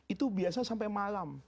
itu biasa sampai malam